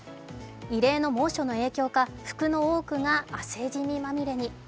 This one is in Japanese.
異例の猛暑の影響か、服の多くが汗ジミまみれに。